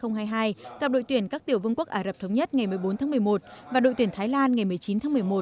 gặp đội tuyển các tiểu vương quốc ả rập thống nhất ngày một mươi bốn tháng một mươi một và đội tuyển thái lan ngày một mươi chín tháng một mươi một